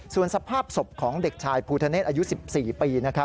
ส่วนสภาพศพของเด็กชายภูทะเนศอายุ๑๔ปี